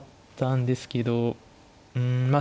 うんまあ